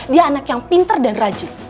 dia anak yang pinter dan rajin